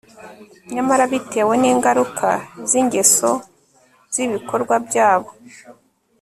nyamara bitewe ningaruka zingeso zibikorwa byabo